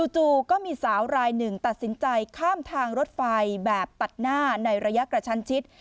จู่ก็มีสาวรายหนึ่งตัดสินใจข้ามทางรถไฟแบบตัดหน้าในระยะกระชั้นชิด